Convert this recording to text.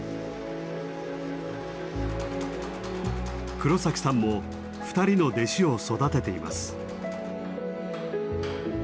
黒さんも２人の弟子を育てています。